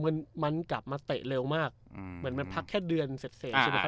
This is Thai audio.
มันมันกลับมาเตะเร็วมากอืมเหมือนมันพักแค่เดือนเสร็จเสร็จใช่ไหมครับ